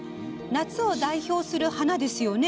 夏を代表する花ですよね。